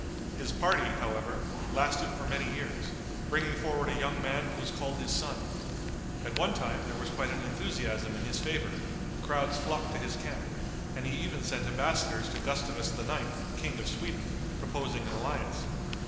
His party, however, lasted for many years, bringing forward a young man who was called his son. At one time there was quite an enthusiasm in his favor, crowds flocked to his camp, and he even sent embassadors to Gustavus IX., King of Sweden, proposing an alliance.